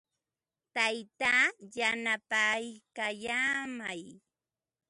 Taytaa yanapaykallaamay.